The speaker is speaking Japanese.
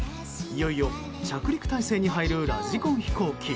いよいよ着陸態勢に入るラジコン飛行機。